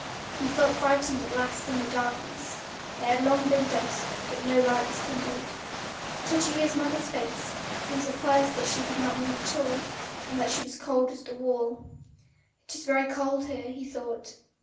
He felt frightened at last in the darkness: it had long been dusk, but no light was kindled. Touching his mother's face, he was surprised that she did not move at all, and that she was as cold as the wall. "It is very cold here," he thought.